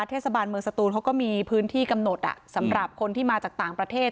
เทศบาลเมืองสตูนเขาก็มีพื้นที่กำหนดสำหรับคนที่มาจากต่างประเทศ